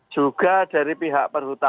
juga dari pihak perhutangan